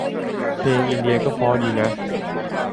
เพลงอินเดียก็เพราะดีนะ